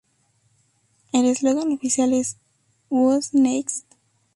El eslogan oficial es: ""Who's next"?